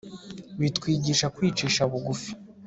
Bitwigisha kwicisha bugufi